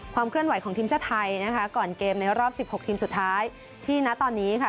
เคลื่อนไหวของทีมชาติไทยนะคะก่อนเกมในรอบ๑๖ทีมสุดท้ายที่ณตอนนี้ค่ะ